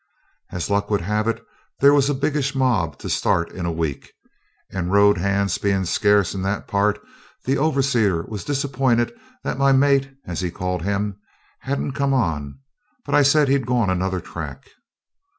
As luck would have it, there was a biggish mob to start in a week, and road hands being scarce in that part the overseer was disappointed that my mate, as he called him, hadn't come on, but I said he'd gone another track.